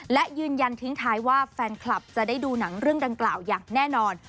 และยืนยันทิ้งท้ายว่าแฟนคลับจะได้ดูหนังเรื่องดังกล่าวอย่างแน่นอน